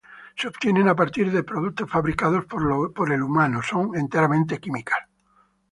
Se obtienen a partir de productos fabricados por el humano, son enteramente químicas.